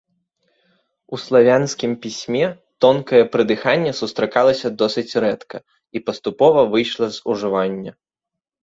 У славянскім пісьме тонкае прыдыханне сустракалася досыць рэдка і паступова выйшла з ужывання.